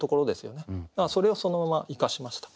だからそれをそのまま生かしました。